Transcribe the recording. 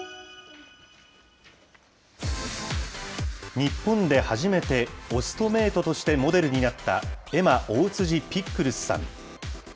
日本で初めて、オストメイトとしてモデルになった、エマ・大辻・ピックルスさん。